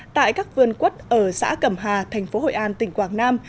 tại các vườn quất ở xã cẩm hà thành phố hội an tỉnh quảng nam